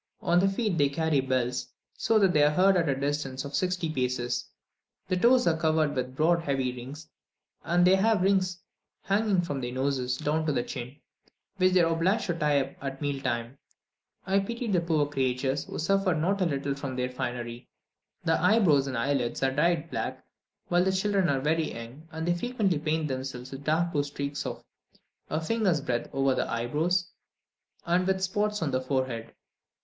On the feet they carry bells, so that they are heard at a distance of sixty paces; the toes are covered with broad heavy rings, and they have rings hanging from their noses down to the chin, which they are obliged to tie up at meal time. I pitied the poor creatures, who suffered not a little from their finery! The eyebrows and eyelids are dyed black while the children are very young, and they frequently paint themselves with dark blue streaks of a finger's breadth over the eyebrows, and with spots on the forehead.